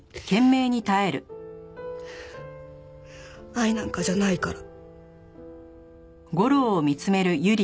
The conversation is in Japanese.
愛なんかじゃないから。